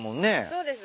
そうですね。